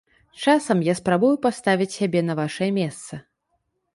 Часам я спрабую паставіць сябе на вашае месца.